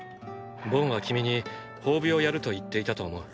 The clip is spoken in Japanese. ボンは君に褒美をやると言っていたと思う。